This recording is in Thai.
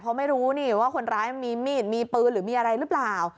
เพราะไม่รู้นี่ว่าคนร้ายมันมีมีดมีปืนหรือมีอะไรหรือเปล่า